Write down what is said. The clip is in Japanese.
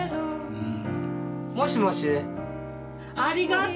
うん。